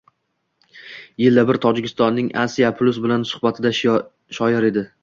Yilda bir Tojikistonning Asia Plus bilan suhbatda, shoir dedi: